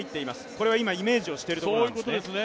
これは今、イメージをしているところなんですね？